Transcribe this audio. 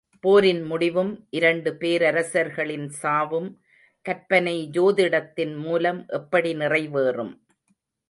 போரின் முடிவும், இரண்டு பேரரசர்களின் சாவும், கற்பனை ஜோதிடத்தின் மூலம் எப்படி நிறைவேறும்.